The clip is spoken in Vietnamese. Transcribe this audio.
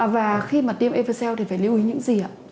và khi tiêm evercell thì phải lưu ý những gì